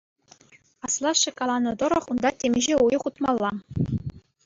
Аслашшӗ каланӑ тӑрӑх, унта темиҫе уйӑх утмалла.